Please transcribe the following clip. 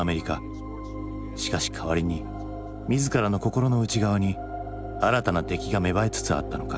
しかし代わりに自らの心の内側に新たな敵が芽生えつつあったのか。